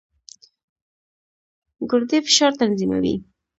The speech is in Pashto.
ګردې فشار تنظیموي.